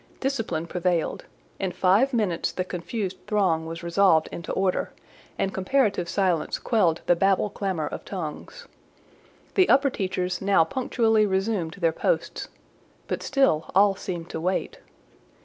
Discipline prevailed: in five minutes the confused throng was resolved into order, and comparative silence quelled the Babel clamour of tongues. The upper teachers now punctually resumed their posts: but still, all seemed to wait.